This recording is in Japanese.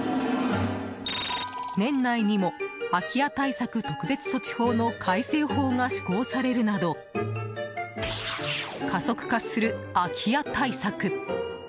年内にも空き家対策特別措置法の改正法が施行されるなど加速化する空き家対策。